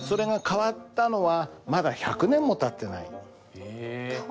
変わったのは１００年もたってない？